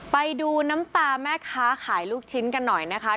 ไปดูน้ำตาแม่ค้าขายลูกชิ้นกันหน่อยนะคะ